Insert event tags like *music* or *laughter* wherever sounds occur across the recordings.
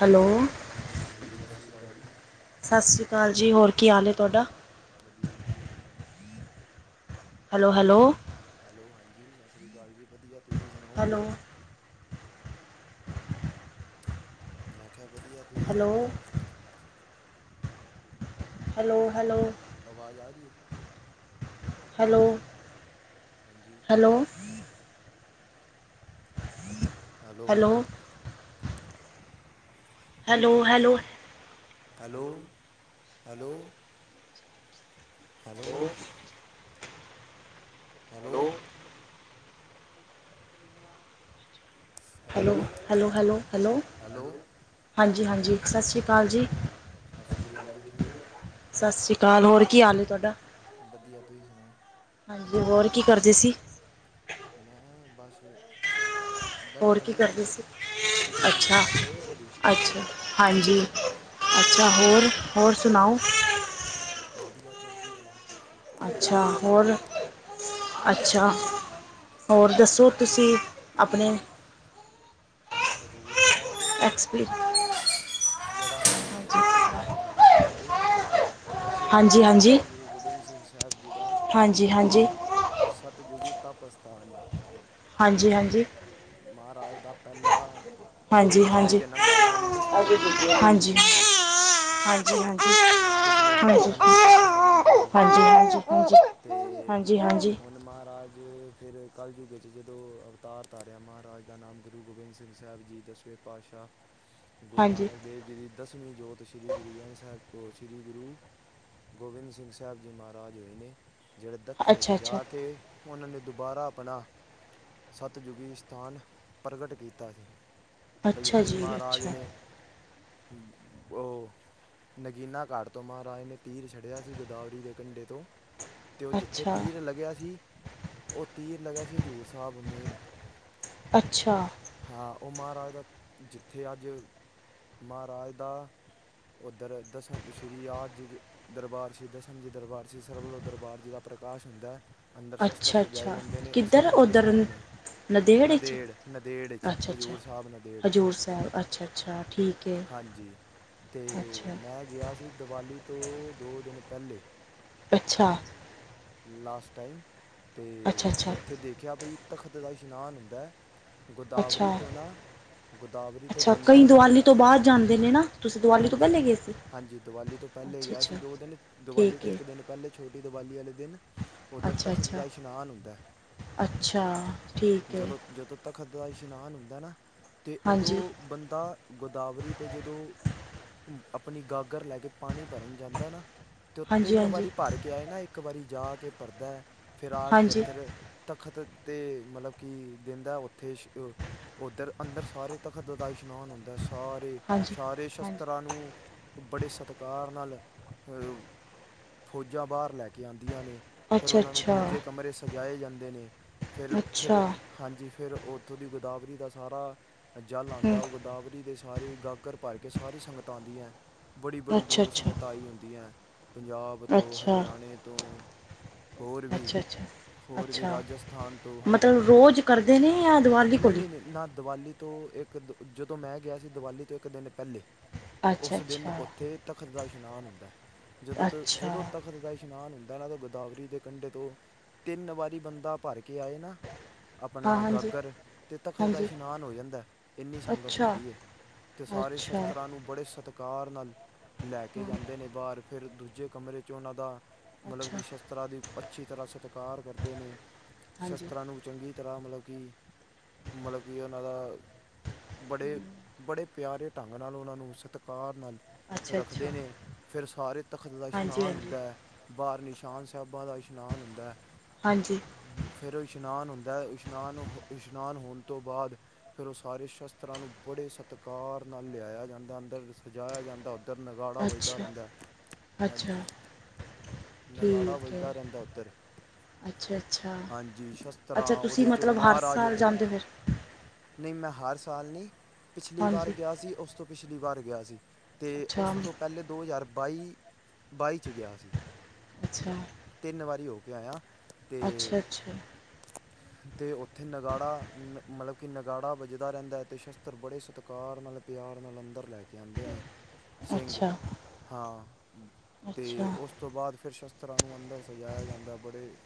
Hello, ਹਾਂਜੀ ਸਤਿ ਸ਼੍ਰੀ ਅਕਾਲ ਜੀ ਸਤਿ ਸ਼੍ਰੀ ਅਕਾਲ ਜੀ ਹੋਰ ਕੀ ਹਾਲ ਏ ਤੁਹਾਡਾ ਵਧੀਆ ਜੀ ਤੁਸੀਂ ਸੁਣਾਓ। ਹੈਲੋ-ਹੈਲੋ, ਹੈਲੋ, ਹਾਂਜੀ ਸਤਿ ਸ਼੍ਰੀ ਅਕਾਲ ਜੀ ਵਧੀਆ ਤੁਸੀਂ ਸੁਣਾਓ। ਹੈਲੋ ਮੈਂ ਕਿਹਾ ਵਧੀਆ ਹੈਲੋ ਤੁਸੀਂ ਹੈਲੋ ਸੁਣਾਓ। ਹੈਲੋ-ਹੈਲੋ, ਆਵਾਜ਼ ਆ ਰਹੀ ਆ। ਹੈਲੋ, ਹਾਂਜੀ, hello, hello, hello hello, hello hello, hello, hello, hello hello hello, hello hello hello ਹਾਂਜੀ-ਹਾਂਜੀ ਸਤਿ ਸ਼੍ਰੀ ਅਕਾਲ ਜੀ। ਸਤਿ ਸ਼੍ਰੀ ਅਕਾਲ ਜੀ, ਠੀਕ ਓ ਸਤਿ ਸ਼੍ਰੀ ਅਕਾਲ ਹੋਰ ਕੀ ਹਾਲ ਹੈ ਤੁਹਾਡਾ ਵਧੀਆ ਤੁਸੀਂ ਸੁਣਾਓ। ਹਾਂਜੀ, ਹੋਰ ਕੀ ਕਰਦੇ ਸੀ। ਮੈਂ ਬਸ ਹੋਰ ਕੀ ਕਰਦੇ ਸੀ, ਤੁਸੀਂ ਹਜ਼ੂਰ ਅੱਛਾ। ਸਾਹਿਬ ਗਏ ਹੋ ਕਦੀ ਅੱਛਾ ਹਾਂਜੀ ਅੱਛਾ ਹਾਂਜੀ ਹੋਰ ਹੋਰ ਸੁਣਾਓ? *inaudible* ਵਧੀਆ ਚੜ੍ਹਦੀ ਕਲਾ। ਹਜ਼ੂਰ ਅੱਛਾ ਸਾਹਿਬ ਗਏ ਹੋਰ ਹੋ ਅੱਛਾ, ਹੋਰ ਹਜ਼ੂਰ ਦੱਸੋ ਤੁਸੀਂ? ਆਪਣੇ ਹਜ਼ੂਰ ਸਾਹਿਬ। ਐਕਸਪੀ *inaudible* ਜਿਹੜਾ ਹਜ਼ੂਰ ਸਾਹਿਬ ਏ। ਉਹ ਦਸਵੇਂ ਹਾਂਜੀ ਪਾਤਸ਼ਾਹ ਹਾਂਜੀ ਸ਼੍ਰੀ ਗੁਰੂ ਗੋਬਿੰਦ ਸਿੰਘ ਸਾਹਿਬ ਜੀ ਦਾ ਹਾਂਜੀ ਹਾਂਜੀ ਹਾਂਜੀ ਸਤਯੁਗੀ ਤਪ ਅਸਥਾਨ ਏ। ਹਾਂਜੀ-ਹਾਂਜੀ, ਮਹਾਰਾਜ ਦਾ ਪਹਿਲਾ ਹਾਂਜੀ ਹਾਂਜੀ ਪਿਛਲੇ ਹਾਂਜੀ ਜਨਮ ਦਾ ਨਾਮ ਦੁਸ਼ਟ ਦਮਨ ਹਾਂਜੀ ਜੀ ਸੀ। ਪਿਛਲੇ ਜਨਮ ਦਾ ਨਾਮ ਦੁਸ਼ਟ *inaudible* ਅਤੇ ਹਾਂਜੀ ਹਾਂਜੀ ਹੁਣ ਮਹਾਰਾਜ ਫਿਰ ਕੱਲ੍ਹ ਯੁੱਗੇ 'ਚ ਜਦੋਂ ਅਵਤਾਰ ਧਾਰਿਆ ਮਹਾਰਾਜ ਦਾ ਨਾਮ ਗੁਰੂ ਗੋਬਿੰਦ ਸਿੰਘ ਸਾਹਿਬ ਜੀ ਦਸਵੇਂ ਪਾਤਸ਼ਾਹ ਗੁਰੂ ਹਾਂਜੀ ਨਾਨਕ ਦੇਵ ਜੀ ਦੀ ਦਸਵੀਂ ਜੋਤ ਸ੍ਰੀ ਗੁਰੂ ਗ੍ਰੰਥ ਸਾਹਿਬ ਉਹ ਸ਼੍ਰੀ ਗੁਰੂ ਗੋਬਿੰਦ ਸਿੰਘ ਸਾਹਿਬ ਜੀ ਮਹਾਰਾਜ ਹੋਏ ਨੇ ਜਿਹੜੇ ਦੱਖਣ ਚ ਅੱਛਾ ਅੱਛਾ ਜਾ ਕੇ ਉਹਨਾਂ ਨੇ ਦੁਬਾਰਾ ਆਪਣਾ ਸਤਿਯੁਗੀ ਸਥਾਨ ਪ੍ਰਗਟ ਕੀਤਾ ਸੀ। ਬਾਈ ਅੱਛਾ ਇੱਥੇ ਜੀ ਮਹਾਰਾਜ ਅੱਛਾ ਨੇ ਉਹ ਨਗੀਨਾ ਘਾਟ ਤੋਂ ਮਹਾਰਾਜ ਨੇ ਤੀਰ ਛੱੜਿਆ ਸੀ, ਗੋਦਾਵਰੀ ਦੇ ਕੰੰਢੇ ਤੋਂ ਅਤੇ ਉਹ ਜਿੱਥੇ ਅੱਛਾ ਤੀਰ ਲੱਗਿਆ ਸੀ, ਉਹ ਤੀਰ ਲੱਗਿਆ ਸੀ, ਹਜ਼ੂਰ ਸਾਹਿਬ ਮੇਨ ਅੱਛਾ ਹਾਂ ਉਹ ਮਹਾਰਾਜ ਦਾ ਜਿੱਥੇ ਅੱਜ ਮਹਾਰਾਜ ਦਾ ਦਰ ਦਸਮ ਸ਼੍ਰੀ ਆਦ ਜੀ ਦਰਬਾਰ ਸ਼੍ਰੀ ਦਸਮਝੀ ਦਰਬਾਰ ਸ਼੍ਰੀ ਸਰਵ ਵਲੋਂ ਦਰਬਾਰ ਜੀ ਦਾ ਪ੍ਰਕਾਸ਼ ਕੀਤਾ ਅੰਦਰ ਸ਼ਸਤਰ ਅੱਛਾ ਸਜਾਏ ਅੱਛਾ ਜਾਂਦੇ ਨੇ, ਉਹ ਕਿੱਧਰ ਸਤਯੁਗ ਉੱਧਰ ਸਥਾਨ ਹੈ ਨੰਦੇੜ 'ਚ ਨਦੇੜ-ਨਦੇੜ 'ਚ ਅੱਛਾ ਅੱਛਾ ਹਜ਼ੂਰ ਸਾਹਿਬ ਨਦੇੜ ਹਜ਼ੂਰ ਸਾਹਿਬ ਅੱਛਾ ਅੱਛਾ ਠੀਕ ਹੈ ਹਾਂਜੀ ਤੇ ਅੱਛਾ ਮੈਂ ਗਿਆ ਸੀ, ਦੀਵਾਲੀ ਤੋਂ ਦੋ ਦਿਨ ਪਹਿਲੇ ਅੱਛਾ ਲਾਸਟ ਟਾਈਮ ਤੇ ਅੱਛਾ ਅੱਛਾ ਅੱਛਾ ਉੱਥੇ ਦੇਖਿਆ ਬਈ ਤਖਤ ਦਾ ਇਸ਼ਨਾਨ ਹੁੰਦਾ ਹੈ, ਗੋਦਾਵਰੀ ਅੱਛਾ ਤੋਂ ਨਾ ਗੋਦਾਵਰੀ ਤੋਂ ਅੱਛਾ ਕਈ ਬੰਦਾ ਦੀਵਾਲੀ ਤੋਂ ਬਾਅਦ ਜਾਂਦੇ ਨੇ ਨਾ ਤੁਸੀਂ ਦੀਵਾਲੀ ਤੋਂ ਪਹਿਲੇ ਗਏ ਸੀ ਹਾਂਜੀ-ਹਾਂਜੀ-ਹਾਂਜੀ ਦੀਵਾਲੀ ਤੋਂ ਪਹਿਲੇ ਅੱਛਾ ਗਿਆ ਸੀ, ਅੱਛਾ ਦੋ ਦਿਨ ਦਿਵਾਲੀ ਠੀਕ ਤੋਂ ਹੈ ਇੱਕ ਦਿਨ ਪਹਿਲੇ ਛੋਟੀ ਦਿਵਾਲੀ ਵਾਲੇ ਦਿਨ ਉੱਧਰ ਅੱਛਾ ਤਖ਼ਤ ਅੱਛਾ ਦਾ ਇਸ਼ਨਾਨ ਹੁੰਦਾ ਅੱਛਾ ਠੀਕ ਹੈ ਜਦੋਂ ਜਦੋਂ ਤਖ਼ਤ ਦਾ ਇਸ਼ਨਾਨ ਹੁੰਦਾ ਨਾ, ਤੇ ਉਦੋਂ ਹਾਂਜੀ ਬੰਦਾ ਗੋਦਾਵਰੀ 'ਤੇ ਜਦੋਂ ਆਪਣੀ ਗਾਗਰ ਲੈ ਕੇ ਪਾਣੀ ਭਰਨ ਜਾਂਦਾ ਨਾ ਅਤੇ ਉਹ ਹਾਂਜੀ ਤਿੰਨ ਹਾਂਜੀ ਵਾਰੀ ਭਰ ਕੇ ਆਏ ਨਾ, ਇੱਕ ਵਾਰੀ ਜਾ ਕੇ ਭਰਦਾ ਫਿਰ ਆ ਕੇ ਹਾਂਜੀ ਇੱਥਰ ਤਖਤ ਤੇ ਮਤਲਬ ਕਿ ਦਿੰਦਾ ਉੱਥੇ ਔ ਉੱਧਰ ਅੰਦਰ ਸਾਰੇ ਤਖ਼ਤ ਦਾ ਹੀ ਇਸ਼ਨਾਨ ਹੁੰਦਾ ਸਾਰੇ ਹਾਂਜੀ ਸਾਰੇ ਹਾਂਜੀ ਸ਼ਸਤਰਾਂ ਨੂੰ ਬੜੇ ਸਤਿਕਾਰ ਨਾਲ ਅਹ ਫੌਜਾਂ ਬਾਹਰ ਲੈ ਕੇ ਆਉਂਦੀਆਂ ਨੇ, ਫਿਰ ਅੱਛਾ ਉਹਨਾਂ ਨੂੰ ਅੱਛਾ ਦੂਜੇ ਕਮਰੇ ਸਜਾਏ ਜਾਂਦੇ ਨੇ ਅੱਛਾ ਫਿਰ-ਫਿਰ ਹਾਂਜੀ ਫਿਰ ਉੱਥੋਂ ਦੀ ਗੋਦਾਵਰੀ ਦਾ ਸਾਰਾ ਜਲ ਹੂੰ ਆਉਦਾ, ਉਹ ਗੋਦਾਵਰੀ ਦੇ ਸਾਰੇ ਗਾਗਰ ਭਰ ਕੇ ਸਾਰੀ ਸੰਗਤ ਆਉਂਦੀ ਹੈ ਬੜੀ-ਬੜੀ ਅੱਛਾ ਦੂਰੋਂ ਸੰਗਤਾਂ ਆਈ ਹੂੰਦੀ ਹੈ, ਪੰਜਾਬ ਅੱਛਾ ਤੋਂ ਅੱਛਾ ਹਰਿਆਣੇ ਤੋਂ ਹੋਰ ਵੀ ਅੱਛਾ ਅੱਛਾ ਹੋਰ ਵੀ ਅੱਛਾ ਰਾਜਸਥਾਨ ਤੋਂ ਹਾਂਜੀ, ਮਤਲਬ ਰੋਜ਼ ਕਰਦੇ ਨੇ ਜਾਂ ਦੀਵਾਲੀ ਕੋਲ ਹੀ ਨਹੀਂ-ਨਹੀਂ-ਨਹੀਂ, ਨਾ ਦੀਵਾਲੀ ਤੋਂ ਇੱਕ ਦ! ਜਦੋਂ ਮੈਂ ਗਿਆ ਸੀ ਦੀਵਾਲੀ ਤੋਂ ਇੱਕ ਦਿਨ ਪਹਿਲੇ, ਅੱਛਾ ਉਸ ਦਿਨ ਅੱਛਾ ਉੱਥੇ? ਤਖ਼ਤ ਦਾ ਇਸ਼ਨਾਨ ਹੁੰਦਾ ਹੈ। ਜਦੋਂ ਤੱਕ? ਅੱਛਾ ਤਖਤ ਦਾ ਇਸ਼ਨਾਨ ਹੁੰਦਾ ਹੈ। ਗੋਦਾਵਰੀ ਦੇ ਕੰਢੇ ਤੋਂ ਤਿੰਨ ਵਾਰੀ ਬੰਦਾ ਭਰ ਕੇ ਆਏ ਨਾ? ਹਾਂ ਆਪਣਾ ਹਾਂਜੀ ਗਾਗਰ, ਤੇ ਤਖਤ ਦਾ ਹਾਂਜੀ ਇਸ਼ਨਾਨ ਹੋ ਜਾਂਦਾ। ਇੰਨੀ ਸੰਗਤ ਅੱਛਾ ਹੁੰਦੀ ਹੈ। ਅਤੇ ਸਾਰੇ ਅੱਛਾ ਸ਼ਸਤਰਾਂ ਨੂੰ ਬੜੇ ਸਤਿਕਾਰ ਨਾਲ ਲੈ ਕੇ ਹੂੰ ਜਾਂਦੇ, ਨੇ ਬਾਹਰ ਫਿਰ ਦੂਜੇ ਕਮਰੇ 'ਚ ਉਹਨਾਂ ਦਾ ਮਤਲਬ ਅੱਛਾ ਕਿ, ਸ਼ਸਤਰਾਂ ਦੀ ਅੱਛੀ ਤਰ੍ਹਾਂ ਸਤਿਕਾਰ ਕਰਦੇ ਨੇ ਹਾਂਜੀ ਸ਼ਸਤਰਾਂ ਨੂੰ ਚੰਗੀ ਤਰ੍ਹਾਂ, ਮਤਲਬ ਕਿ, ਮਤਲਬ ਕਿ ਉਹਨਾਂ ਦਾ- ਬੜੇ -ਬੜੇ ਪਿਆਰੇ ਢੰਗ ਨਾਲ ਉਹਨਾਂ ਨੂੰ ਸਤਿਕਾਰ ਨਾਲ, ਅੱਛਾ ਰੱਖਦੇ ਅੱਛਾ ਨੇ ਫਿਰ ਸਾਰੇ ਤਖ਼ਤ ਦਾ। ਹਾਂਜੀ ਹਾਂਜੀ ਬਾਰ ਨਿਸ਼ਾਨ ਸਾਹਿਬਾਂ ਦਾ ਇਸ਼ਨਾਨ ਹੁੰਦਾ ਹੈ। ਹਾਂਜੀ। ਫਿਰ ਉਹ ਇਸ਼ਨਾਨ ਹੁੰਦਾ ਹੈ। ਇਸ਼ਨਾਨ ਹੋ, ਇਸ਼ਨਾਨ ਹੋਣ, ਤੋਂ ਬਾਅਦ? ਫਿਰ ਉਹ ਸਾਰੇ ਸ਼ਸਤਰਾਂ ਨੂੰ- ਬੜੇ ਸਤਿਕਾਰ ਨਾਲ ਲਿਆਇਆ ਜਾਂਦਾ, ਅੰਦਰ ਸਜਾਇਆ ਜਾਂਦਾ। ਅੰਦਰ ਨਗਾੜਾ ਵਜਦਾ ਅੱਛਾ ਰਹਿੰਦਾ ਹੈ। ਅੱਛਾ! ਹਾਂਜੀ ਨਗਾੜਾ ਠੀਕ ਹੈ ਵੱਜਦਾ ਰਹਿੰਦਾ ਓਧਰ। ਅੱਛਾ ਅੱਛਾ ਹਾਂਜੀ, ਸ਼ਸਤਰਾਂ ਅੱਛਾ ਤੁਸੀਂ ਉਹਦੇ 'ਚ ਮਤਲਬ ਹਰ ਮਹਾਰਾਜ- ਸਾਲ ਜਾਂਦੇ ਫਿਰ ਨਹੀਂ ਮੈਂ ਹਰ ਸਾਲ ਨਹੀਂ? ਪਿਛਲੀ ਵਾਰ ਹਾਂਜੀ ਗਿਆ ਸੀ, ਉਸ ਤੋਂ ਪਿਛਲੀ ਵਾਰ ਗਿਆ ਸੀ। ਤੇ ਅੱਛਾ ਉਸ ਤੋਂ ਪਹਿਲੇ, ਦੋ ਹਜ਼ਾਰ ਬਾਈ- ਬਾਈ 'ਚ ਗਿਆ ਸੀ। ਅੱਛਾ। ਤਿੰਨ ਵਾਰੀ ਹੋ ਕੇ ਆਇਆ। ਅਤੇ ਅੱਛਾ-ਅੱਛਾ। *unintelligible* ਤੇ ਉੱਥੇ ਨਗਾੜਾ, ਨ ਮਤਲਬ ਕਿ ਨਗਾੜਾ ਵੱਜਦਾ ਰਹਿੰਦਾ, ਤੇ ਸ਼ਸਤਰ ਬੜੇ ਸਤਿਕਾਰ ਨਾਲ? ਪਿਆਰ ਨਾਲ ਅੰਦਰ ਲੈ ਕੇ ਆਉਂਦੇ ਨੇ। ਸਿੰਘ, ਅੱਛਾ ਹਾਂ ਤੇ ਅੱਛਾ ਉਸ- ਉਸ ਤੋਂ ਬਾਅਦ- ਫਿਰ ਸ਼ਸਤਰਾਂ ਨੂੰ, ਅੰਦਰ ਸਜਾਇਆ ਜਾਂਦਾ। ਬੜੇ?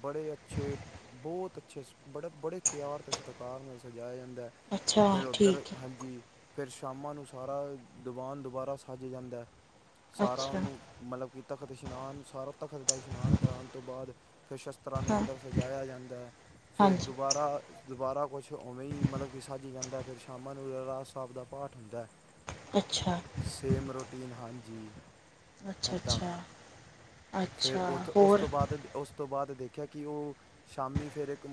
ਬੜੇ ਅੱਛੇ, ਬਹੁਤ ਅੱਛੇ, ਬੜੇ ਪਿਆਰ, ਤੇ ਸਤਿਕਾਰ ਨਾਲ ਸਜਾਇਆ ਜਾਂਦਾ ਹੈ। ਅੱਛਾ ਫਿਰ ਉੱਧਰ! ਠੀਕ ਹਾਂਜੀ ਫਿਰ ਸ਼ਾਮਾਂ ਨੂੰ, ਸਾਰਾ ਦੀਵਾਨ ਦੁਬਾਰਾ ਸੱਜ ਜਾਂਦਾ। ਹੈ ਸਾਰਾ ਅੱਛਾ ਉਹਨੂੰ- ਮਤਲਬ ਕਿ ਤਖਤ ਇਸ਼ਨਾਨ- ਸਾਰਾ ਤਖ਼ਤ ਦਾ ਇਸ਼ਨਾਨ ਕਰਾਉਣ ਤੋਂ ਬਾਅਦ, ਫਿਰ ਸ਼ਸਤਰਾਂ ਨੂੰ ਹਾਂ ਅੰਦਰ? ਸਜਾਇਆ ਜਾਂਦਾ। ਫਿਰ ਹਾਂਜੀ ਦੁਬਾਰਾ, ਦੁਬਾਰਾ ਕੁਛ ਉਵੇਂ ਹੀ, ਮਤਲਬ ਕਿ ਸੱਜ ਜਾਂਦਾ, ਫਿਰ ਸ਼ਾਮਾਂ ਨੂੰ ਰਾਹਿਰਾਸ ਸਾਹਿਬ ਦਾ ਪਾਠ ਹੁੰਦਾ। ਹ *unintelligible* ਅੱਛਾ? ਸੇਮ ਰੋਟੀਨ, ਹਾਂਜੀ। ਅੱਛਾ ਏਦਾਂ। ਅੱਛਾ ਫਿਰ ਅੱਛਾ ਉਸ ਉਸ ਹੋਰ ਤੋਂ ਬਾਅਦ, ਉਸ ਤੋਂ ਬਾਅਦ ਦੇਖਿਆ ਕਿ ਉਹ। ਸ਼ਾਮੀ ਫਿਰ ਇੱਕ,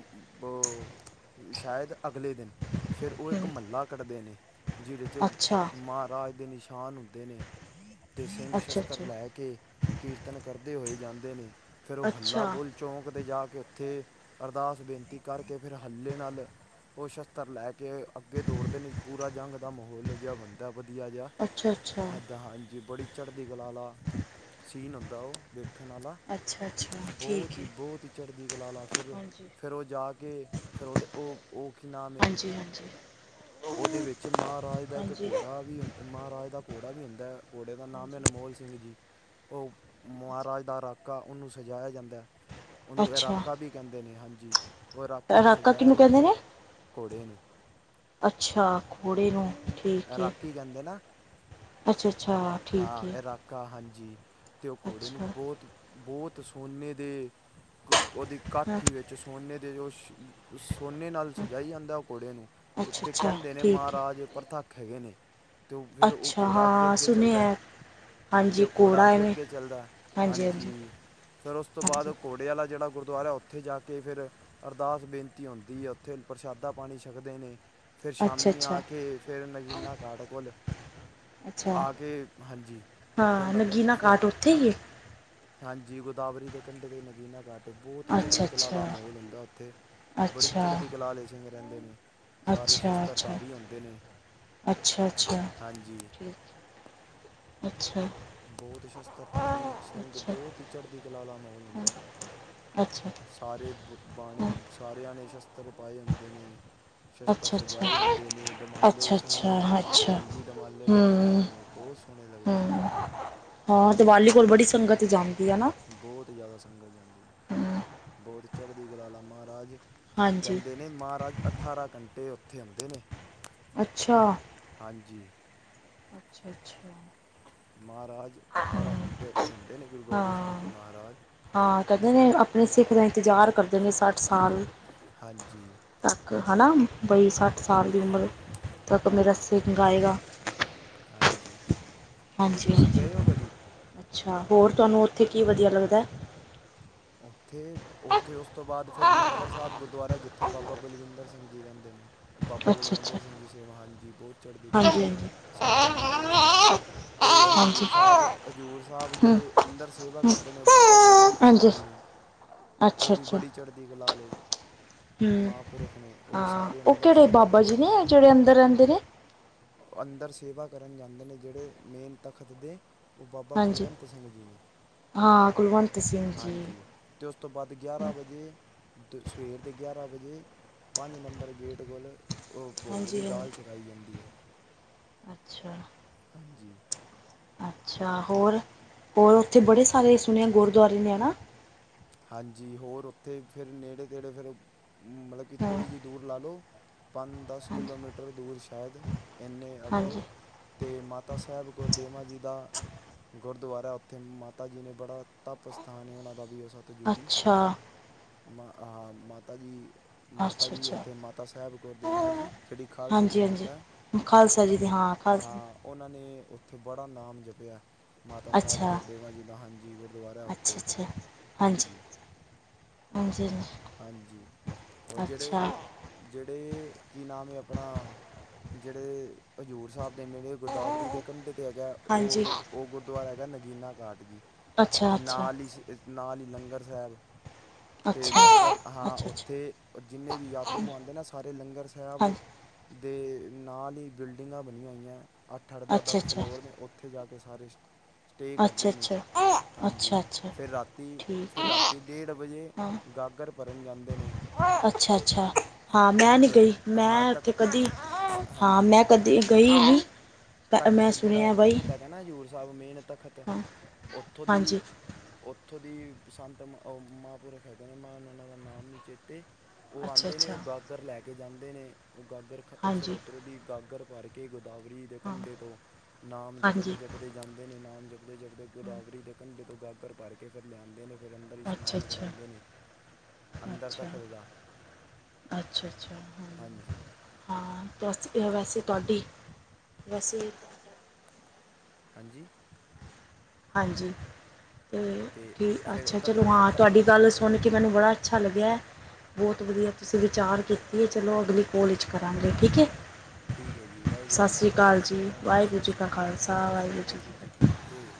ਸ਼ਾਇਦ ਅਗਲੇ ਦਿਨ, ਫਿਰ ਉਹ ਇੱਕ, ਹੂੰ ਮਹੱਲਾ ਕੱਢਦੇ ਨੇ। ਜਿਹਦੇ ਚ ਅੱਛਾ ਮਹਾਰਾਜ ਦੇ ਨਿਸ਼ਾਨ ਹੁੰਦੇ ਨੇ। ਤੇ ਸਿੰਘ ਅੱਛਾ ਸ਼ਸਤਰ ਅੱਛਾ ਐ ਕੇ ਕੀਰਤਨ ਕਰਦੇ ਹੋਏ ਜਾਂਦੇ ਨੇ। ਫਿਰ ਉਹ ਹੱਲਾ ਅੱਛਾ ਬੋਲ- ਚੌਂਕ 'ਤੇ ਜਾ ਕੇ, ਉੱਥੇ ਅਰਦਾਸ ਬੇਨਤੀ ਕਰਕੇ। ਫਿਰ ਹੱਲੇ ਨਾਲ, ਉਹ ਸ਼ਸਤਰ ਲੈ ਕੇ, ਅੱਗੇ ਦੌੜਦੇ ਨੇ। ਪੂਰਾ ਜੰਗ ਦਾ ਮਾਹੌਲ ਜਿਹਾ ਬਣਦਾ ਵਧੀਆ ਜਿਹਾ। ਅੱਛਾ ਅੱਛਾ ਏਦਾਂ ਹਾਂਜੀ, ਬੜੀ ਚੜ੍ਹਦੀ ਕਲਾ ਵਾਲਾ ਸੀਨ ਹੁੰਦਾ। ਉਹ ਵੇਖਣ ਵਾਲਾ। ਅੱਛਾ ਅੱਛਾ ਬਹੁਤ ਠੀਕ ਹੀ- ਹੈ ਬਹੁਤ ਹੀ ਚੜ੍ਹਦੀ ਕਲਾ ਲਾ, ਫਿਰ- ਹਾਂਜੀ ਫਿਰ ਉਹ ਜਾ ਕੇ, ਫਿਰ ਉਹਦੇ ਉਹ ਕੀ ਨਾਮ ਹੈ। ਹਾਂਜੀ ਹਾਂਜੀ ਉਹਦੇ ਵਿੱਚ ਮਹਾਰਾਜ ਦਾ ਇੱਕ ਹਾਂਜੀ ਘੋੜਾ ਵੀੁੰ, ਮਹਾਰਾਜ ਦਾ ਘੋੜਾ ਵੀ ਹੁੰਦਾ ਹੈ। ਘੋੜੇ ਦਾ ਨਾਮ, ਹਾਂਜੀ ਅਨਮੋਲ ਸਿੰਘ ਜੀ। ਉਹ ਅੱਛਾ ਮਹਾਰਾਜ ਦਾ ਰਾਕਾ, ਉਹਨੂੰ ਸਜਾਇਆ ਜਾਂਦਾ ਹੈ। ਉਹਨੂੰ ਅੱਛਾ ਇਰਾਕਾ ਵੀ ਕਹਿੰਦੇ ਨੇ। ਹਾਂਜੀ- ਉਹ ਇਰਾਕੇ ਨੂੰ ਰਾਕਾ ਸਜਾਇਆ ਕਿਹਨੂੰ ਕਹਿੰਦੇ ਜਾਂਦਾ। ਨੇ ਘੋੜੇ ਨੂੰ, ਅੱਛਾ ਘੋੜੇ ਨੂੰ ਠੀਕ ਹੈ ਇਲਾਕੀ ਕਹਿੰਦੇ ਨਾ ਅੱਛਾ ਅੱਛਾ ਠੀਕ ਹਾਂ ਏ ਇਹ ਰਾਕਾ ਹਾਂਜੀ ਤੇ ਉਹ ਘੋੜੇ ਨੂੰ ਅੱਛਾ ਬਹੁਤ ਬਹੁਤ ਸੋਨੇ ਦੇ ਕ ਉਹਦੀ ਹਾਂ ਕਾਠੀ ਵਿੱਚ ਚ ਸੋਨੇ ਦੇ ਜੋ ਸੋਨੇ ਨਾਲ ਹਾਂ ਸਜਾਈ ਜਾਂਦਾ ਉਹ ਘੋੜੇ ਨੂੰ ਅੱਛਾ ਉੱਤੇ ਅੱਛਾ ਕਹਿੰਦੇ ਨੇ ਠੀਕ ਏ ਮਹਾਰਾਜ ਪ੍ਰਥੱਕ ਹੈਗੇ ਨੇ ਤੇ ਉਹ ਫੇਰ ਉਹ ਅੱਛਾ ਘੋੜਾ ਅੱਗੇ ਹਾਂ ਅੱਗੇ ਚੱਲਦਾ ਸੁਣਿਆ ਤੇ ਹਾਂਜੀ ਓ ਘੌੜਾ ਘੋੜਾ ਅੱਗੇ- ਐਵੇਂ ਅੱਗੇ ਚੱਲਦਾ। ਹਾਂਜੀ ਫਿਰ ਉਸ ਤੋਂ ਹਾਂਜੀ ਬਾਅਦ, ਘੋੜੇ ਵਾਲਾ ਜੇੜਾ ਗੁਰਦੁਆਰਾ ਹੈ। ਉਥੇ? ਉੱਥੇ ਜਾ ਕੇ ਫੇਰ ਅਰਦਾਸ ਬੇਨਤੀ ਹੁੰਦੀ ਹੈ ਉੱਥੇ ਪ੍ਰਸ਼ਾਦਾ ਪਾਣੀ ਛਕਦੇ ਨੇ ਫਿਰ ਅੱਛਾ ਸ਼ਾਮੀ ਆ ਅੱਛਾ ਕੇ ਫਿਰ ਨਗੀਨਾ ਘਾਟ ਕੋਲ ਅੱਛਾ ਆ ਕੇ ਹਾਂਜੀ ਫਿਰ ਹਾਂ ਉਹਨਾਂ ਨਗੀਨਾ ਫਿਰ ਘਾਟ *unintelligible* ਉੱਥੇ ਹੀ ਏ ਹਾਂਜੀ ਗੋਦਾਵਰੀ ਦੇ ਕੰੰਢੇ ' ਨਗੀਨਾ ਘਾਟ ਬਹੁਤ ਅੱਛਾ ਚੜ੍ਹਦੀ ਕਲਾ ਅੱਛਾ ਆਲਾ ਮਾਹੌਲ ਹੁੰਦਾ ਉੱਥੇ ਬੜੀ ਚੜ੍ਹਦੀ ਕਲਾ ਆਲੇ ਸਿੰਘ ਰਹਿੰਦੇ ਨੇ ਸਾਰੇ ਅੱਛਾ ਸ਼ਸਤਰ ਧਾਰੀ ਹੁੰਦੇ ਨੇ ਅੱਛਾ ਅੱਛਾ ਹਾਂਜੀ ਅੱਛਾ ਬਹੁਤ ਸ਼ਸਤਰ ਧਾਰੀ ਸਿੰਘ ਅੱਛਾ ਬਹੁਤ ਹੀ ਚੜ੍ਹਦੀ ਕਲਾ ਆਲਾ ਮਾਹੌਲ ਹੁੰਦਾ ਅੱਛਾ ਅੱਛਾ ਸਾਰੇ ਬ ਬਾਣੇ, ਸਾਰਿਆਂ ਨੇ ਸ਼ਸਤਰ ਪਾਏ ਹੁੰਦੇ ਨੇ। ਸ਼ਸਤਰ ਅੱਛਾ ਅੱਛਾ ਸਜਾਏ ਹੁੰਦੇ ਨੇ, ਦਮਾਲੇ ਅੱਛਾ ਅੱਛਾ ਸੋਹਣੇ ਅੱਛਾ ਜੰਗੀ ਦਮਾਲੇ ਬੰਨੇ ਹੂੰ ਹੁੰਦੇ ਨੇ, ਬਹੁਤ ਸੋਹਣੇ ਲੱਗਦੇ ਹੂੰ ਨੇ। ਹਾਂ, ਹਾਂਜੀ ਦੀਵਾਲੀ ਕੋਲ ਬੜੀ ਸੰਗਤ ਜਾਂਦੀ ਏ ਨਾ ਬਹੁਤ ਜ਼ਿਆਦਾ ਸੰਗਤ ਜਾਂਦੀ, ਬਹੁਤ ਚੜ੍ਹਦੀ ਕਲਾ ਮਹਾਰਾਜ ਹਾਂਜੀ ਕਹਿੰਦੇ ਨੇ ਮਹਾਰਾਜ ਅਠਾਰਾਂ ਘੰਟੇ ਉੱਥੇ ਹੁੰਦੇ ਨੇ। ਅੱਛਾ ਹਾਂਜੀ ਅੱਛਾ-ਅੱਛਾ ਮਹਾਰਾਜ ਅਠਾਰਾਂ ਘੰਟੇ ਉੱਥੇ ਹੁੰਦੇ ਨੇ ਗੁਰੂ ਗੋਬਿੰਦ ਸਿੰਘ ਜੀ ਹਾਂ ਮਹਾਰਾਜ ਹਾਂ ਕਹਿੰਦੇ ਨੇ, ਆਪਣੇ ਸਿੱਖ ਦਾ ਇੰਤਜ਼ਾਰ ਕਰਦੇ ਨੇ ਸੱਠ ਸਾਲ ਹਾਂਜੀ ਤੱਕ ਹਨਾ, ਬਈ ਸੱਠ ਸਾਲ ਦੀ ਉਮਰ ਤੱਕ ਮੇਰਾ ਹਾਂਜੀ ਸਿੰਘ ਆਏਗਾ ਹਾਂਜੀ ਤੇ ਤੁਸੀਂ ਹਾਂਜੀ-ਹਾਂਜੀ ਗਏ ਹੋ ਕਦੀ ਅੱਛਾ ਹੋਰ ਤੁਹਾਨੂੰ ਉੱਥੇ ਕੀ ਵਧੀਆ ਲੱਗਦਾ। ਉੱਥੇ ਉੱਥੇ ਉਸ ਤੋਂ ਬਾਅਦ ਫੇਰ ਲੰਗਰ ਸਾਹਿਬ ਗੁਰਦੁਆਰਾ ਜਿੱਥੇ ਬਾਬਾ ਬਲਵਿੰਦਰ ਸਿੰਘ ਜੀ ਰਹਿੰਦੇ ਨੇ। ਬਾਬਾ ਅੱਛਾ ਅੱਛਾ ਬਲਵਿੰਦਰ ਸਿੰਘ ਜੀ, ਹਾਂਜੀ ਬਹੁਤ ਚੜ੍ਹਦੀ ਕਲਾ ਹਾਂਜੀ ਆਲੇ ਹਾਂਜੀ ਸੰਤ ਮਹਾਂਪੁਰਸ਼ ਨੇ ਤੇ ਹਾਂਜੀ ਹਜ਼ੂਰ ਸਾਹਿਬ ਹਜ਼ੂਰ ਸਾਹਿਬ ਜਿਹੜੇ ਅੰਦਰ ਸੇਵਾ ਕਰਦੇ ਨੇ ਉਹ ਬਾਬਾ ਕੁਲਵੰਤ ਸਿੰਘ ਹਾਂਜੀ ਜੀ ਨੇ। ਉਹ ਅੱਛਾ ਵੀ ਬੜੀ ਚੜ੍ਹਦੀ ਕਲਾ ਆਲੇ ਹੁ ਹਾਂ, ਉਹ ਅੰਦਰ ਕਿਹੜੇ ਸੇਵਾ ਬਾਬਾ ਕਰਦੇ ਜੀ ਨੇ ਜਿਹੜੇ ਅੰਦਰ ਰਹਿੰਦੇ ਨੇ ਉਹ ਅੰਦਰ ਸੇਵਾ ਕਰਨ ਜਾਂਦੇ ਨੇ ਜਿਹੜੇ ਮੇਨ ਤਖ਼ਤ ਦੇ ਉਹ ਬਾਬਾ ਹਾਂਜੀ ਕੁਲਵੰਤ ਸਿੰਘ ਜੀ ਨੇ। ਹਾਂ ਕੁਲਵੰਤ ਸਿੰਘ ਜੀ ਹਾਂਜੀ ਤੇ ਉਸ ਤੋਂ ਬਾਅਦ ਗਿਆਰਾਂ ਵਜੇ ਦ ਸਵੇਰ ਦੇ ਗਿਆਰ੍ਹਾਂ ਵਜੇ ਪੰਜ ਨੰਬਰ ਗੇਟ ਕੋਲ ਉਹ ਭੋਗ ਦੀ ਹਾਂਜੀ ਦਾਲ ਹਾਂਜੀ। ਛਕਾਈ ਜਾਂਦੀ ਏ ਅੱਛਾ ਹਾਂਜੀ ਅੱਛਾ ਹੋਰ, ਹੋਰ ਉੱਥੇ ਬੜੇ ਸਾਰੇ ਸੁਣਿਆ ਗੁਰਦੁਆਰੇ ਨੇ ਨਾ। ਹਾਂਜੀ ਹੋਰ ਉੱਥੇ ਫੇਰ ਨੇੜੇ-ਤੇੜੇ ਫਿਰ ਮਤਲਬ ਕਿ ਹਾਂ ਥੋੜ੍ਹੀ ਜਿਹੀ ਦੂਰ ਲਾ ਲਉ ਪੰਜ-ਦਸ ਹਾਂਜੀ ਕਿਲੋਮੀਟਰ ਦੂਰ ਸ਼ਾਇਦ ਏਨੇ ਹਾਂਜੀ ਅਬਵ ਤੇ ਮਾਤਾ ਸਾਹਿਬ ਕੌਰ ਦੇਵਾ ਜੀ ਦਾ ਗੁਰਦੁਆਰਾ ਉੱਥੇ ਮਾਤਾ ਜੀ ਨੇ ਬੜਾ ਤੱਪ ਸਥਾਨ ਏ, ਉਹਨਾਂ ਦਾ ਵੀ ਉਸ ਤ ਜੁਗੀ ਅੱਛਾ ਮ ਮਾਤਾ ਜੀ ਮਾਤਾ ਅੱਛਾ ਜੀ ਅੱਛਾ ਉੱਥੇ ਮਾਤਾ ਸਾਹਿਬ ਕੌਰ ਦੇਵਾਂ ਜੀ ਜਿਹੜੀ ਖਾਲਸੇ ਦੀ ਹਾਂਜੀ ਹਾਂਜੀ। ਮਾਤਾ ਏ ਖਾਲਸਾ ਜੀ ਦੀ ਹਾਂ, ਖਾਲਸਾ ਜੀ ਉਹਨਾਂ ਨੇ ਉੱਥੇ ਬੜਾ ਨਾਮ ਜਪਿਆ ਮਾਤਾ ਸਾਹਿਬ ਅੱਛਾ ਕੌਰ ਦੇਵਾਂ ਜੀ ਦਾ ਹਾਂਜੀ ਗੁਰੂਦੁਆਰਾ ਅੱਛਾ ਉੱਥੇ। ਅੱਛਾ ਹਾਂਜੀ, ਹਾਂਜੀ, ਹਾਂਜੀ। ਹਾਂਜੀ, ਔਰ ਜਿਹੜੇ ਅੱਛਾ ਜਿਹੜੇ ਕੀ ਨਾਮ ਹੈ ਆਪਣਾ ਜਿੜੇ ਹਜ਼ੂਰ ਸਾਹਿਬ ਦੇ ਨੇੜੇ ਗੋਦਾਵਰੀ ਦੇ ਕੰੰਢੇ 'ਤੇ ਹੈਗੈ। ਹਾਂਜੀ ਉਹ ਉਹ ਗੁਰੂਦੁਆਰਾ ਹੈਗਾ ਨਗੀਨਾ ਘਾਟ ਜੀ ਅੱਛਾ ਅਤੇ ਅੱਛਾ। ਨਾਲ ਹੀ ਨਾਲ ਹੀ ਲੰਗਰ ਸਾਹਿਬ। ਅਤੇ ਅੱਛਾ। ਲੰਗਰ ਹਾਂ ਅੱਛਾ ਅੱਛਾ ਉੱਥੇ ਜਿੰਨੇ ਵੀ ਯਾਤਰੂ ਆਉਂਦੇ ਨਾ ਸਾਰੇ ਲੰਗਰ ਸਾਹਿਬ। ਹਾਂਜੀ ਦੇ ਨਾਲ ਹੀ ਬਿਲਡਿੰਗਾਂ ਬਣੀਆਂ ਹੋਈਆਂ, ਅੱਠ-ਅੱਠ ਅੱਛਾ ਦਸ-ਦਸ ਅੱਛਾ ਫਲੋਰ ਨੇ ਉੱ ਉੱਥੇ ਜਾ ਕੇ ਸਾਰੇ ਸਟੇਅ ਕਰਦੇ ਅੱਛਾ ਨੇ। ਅੱਛਾ। ਹਾਂਜੀ। ਅੱਛਾ ਅੱਛਾ ਫਿਰ ਰਾਤੀ ਠੀਕ ਫਿਰ ਹੈ ਰਾਤੀ ਡੇਢ ਵਜੇ ਗਾਗਰ ਭਰਨ ਜਾਂਦੇ ਨੇ। ਅੱਛਾ-ਅੱਛਾ ਹਾਂ ਮੈਂ ਨੀ ਉਦੋਂ ਗਈ, ਹਾਂ ਮੈਂ ਉੱਥੇ ਤਖ਼ਤ ਕਦੀ ਹਾਂ ਹਾਂਜੀ ਮੈਂ ਕਦੇ ਗਈ ਨਹੀਂ ਮੈਂ ਸੁਣਿਆ ਭਾਈ। ਕਹਿੰਣਾ ਹਜ਼ੂਰ ਸਾਹਿਬ ਮੇਨ ਤਖਤ ਉੱਥੋਂ ਦੀ ਹਾਂਜੀ ਉੱਥੋਂ ਦੀ ਸੰੰਤ ਮਾਂ ਪੁਰਖ ਹੈਗੇ ਨੇ ਮਾਂ ਉਹਨਾਂ ਦਾ ਨਾਮ ਨਹੀਂ ਚੇਤੇ ਉਹ ਅੱਛਾ ਆਉਂਦੇ ਨੇ ਅੱਛਾ ਉਹ ਗਾਗਰ ਲੈ ਕੇ ਜਾਂਦੇ ਨੇ ਉਹ ਗਾਗਰ ਖਾ ਉਹ ਫਿਰ ਹਾਂਜੀ ਉੱਧਰੋਂ ਦੀ ਗਾਗਰ ਪਾਰ ਕੇ ਕੇ ਗੋਦਾਵਰੀ ਦੇ ਹਾਂ ਕੰੰਢੇ ਤੋਂ ਨਾਮ ਹਾਂਜੀ ਜਪਦੇ ਜਪਦੇ ਜਾਂਦੇ ਨੇ ਨਾਮ ਜਪਦੇ ਜਪਦੇ ਗੁਦਾਵਰੀ ਦੇ ਕੰੰਢੇ ਤੋਂ ਗਾਗਰ ਭਰ ਕੇ ਫਿਰ ਲਿਆਂਂਦੇ ਨੇ। ਫਿਰ ਅੰਦਰ ਹੀ ਅੱਛਾ ਇਸ਼ਨਾਨ ਅੱਛਾ ਕਰਾਉਂਦੇ ਨੇ ਅੰਦਰ ਅੱਛਾ ਤਖਤ ਦਾ। ਅੱਛਾ, ਅੱਛਾ, ਹਮ। ਹਾਂਜੀ ਹਾਂ ਤੁਸੀ ਵੈਸੇ ਤੁਹਾਡੀ ਵੈਸੇ ਹਾਂਜੀ। ਹਾਂਜੀ ਅਤੇ ਤੇ ਠੀ ਫਿਰ ਅੱਛਾ ਚਲੋ ਤਖਤ ਹਾਂ ਤ- ਤੁਹਾਡੀ ਗੱਲ ਸੁਣ ਕੇ ਮੈਨੂੰ ਬੜਾ ਅੱਛਾ ਲੱਗਿਆ। ਬਹੁਤ ਵਧੀਆ ਤੁਸੀਂ ਵਿਚਾਰ ਕੀਤੀ ਹੈ ਚਲੋ ਅਗਲੀ ਕੋਲ ਵਿਚ ਕਰਾਗੇ ਠੀਕ ਹੈ। ਠੀਕ ਹੈ ਜੀ ਵਾਹਿਗੁਰੂ ਸਤਿ ਜੀ ਸ਼੍ਰੀ ਕਾ ਅਕਾਲ ਜੀ ਖਾਲਸਾ ਵਾਹਿਗੁਰੂ ਸਤਿ ਜੀ ਕਾ ਸ਼੍ਰੀ ਆ ਕੇ ਖਾਲਸਾ ਵਾਹਿਗੁਰੂ ਫਤਿਹ ਜੀ ਕੀ ਫਤਿਹ।